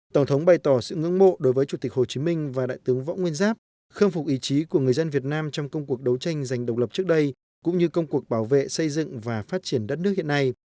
tổng thống bày tỏ sự ngưỡng mộ đối với chủ tịch hồ chí minh và đại tướng võ nguyên giáp khâm phục ý chí của người dân việt nam trong công cuộc đấu tranh giành độc lập trước đây cũng như công cuộc bảo vệ xây dựng và phát triển đất nước hiện nay